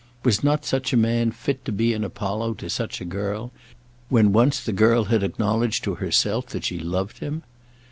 Was not such a man fit to be an Apollo to such a girl, when once the girl had acknowledged to herself that she loved him?